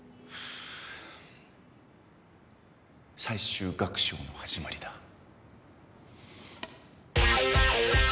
最終楽章の始まりだ。